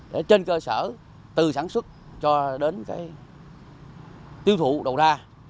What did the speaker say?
để trên cơ sở từ sản xuất cho đến cái tiêu thụ đầu ra